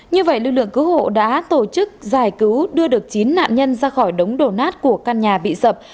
như vậy lực lượng cứu hộ đã tổ chức giải cứu đưa được chín nạn nhân ra khỏi đống đổ nát của căn nhà bị sập